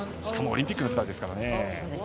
しかもオリンピックの舞台ですからね。